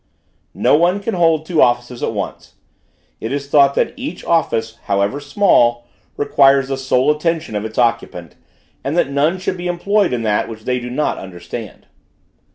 No one can hold two offices at once. It is thought that each office, however small, requires the sole attention of its occupant, and that none should be employed in that which they do not understand.